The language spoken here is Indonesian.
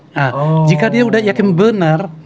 nah jika dia sudah yakin benar